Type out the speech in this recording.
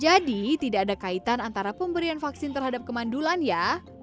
jadi tidak ada kaitan antara pemberian vaksin terhadap kemandulan ya